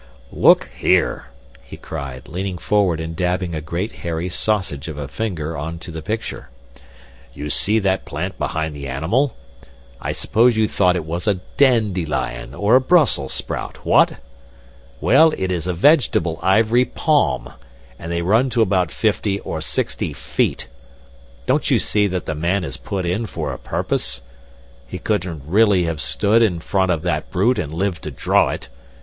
"Look here!" he cried, leaning forward and dabbing a great hairy sausage of a finger on to the picture. "You see that plant behind the animal; I suppose you thought it was a dandelion or a Brussels sprout what? Well, it is a vegetable ivory palm, and they run to about fifty or sixty feet. Don't you see that the man is put in for a purpose? He couldn't really have stood in front of that brute and lived to draw it.